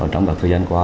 trong các thời gian qua